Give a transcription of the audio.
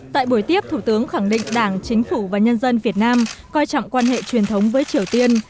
tại buổi tiếp thủ tướng khẳng định đảng chính phủ và nhân dân việt nam coi trọng quan hệ truyền thống với triều tiên